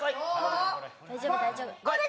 大丈夫大丈夫。